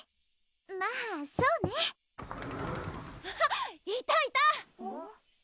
まぁそうね・・・・・あっいたいた！